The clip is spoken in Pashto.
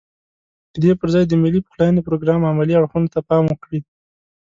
ددې پرځای د ملي پخلاينې پروګرام عملي اړخونو ته پام وکړي.